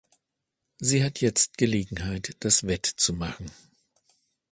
Sie hat jetzt Gelegenheit, das wett zu machen.